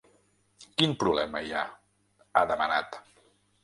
Quin problema hi ha?, ha demanat.